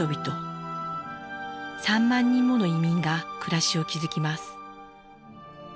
３万人もの移民が暮らしを築きます。